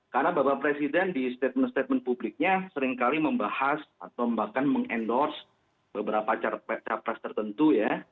karena bapak presiden di statement statement publiknya seringkali membahas atau bahkan meng endorse beberapa capres tertentu ya